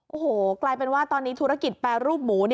โอ้โหกลายเป็นว่าตอนนี้ธุรกิจแปรรูปหมู